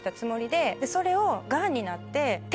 でそれをがんになって。